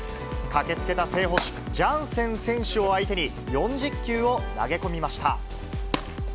駆けつけた正捕手、ジャンセン選手を相手に、４０球を投げ込みました。